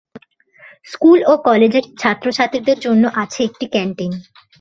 School ও কলেজের ছাত্র-ছাত্রীদের জন্য আছে একটি ক্যান্টিন।